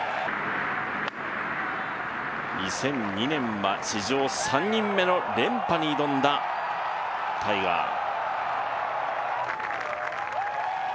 ２００２年は史上３人目の連覇に挑んだタイガー。